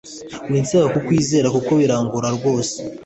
Winsaba kukwizera kuko birangora rwose